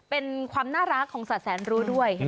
เป็นความน่ารักของสัตวแสนรู้ด้วย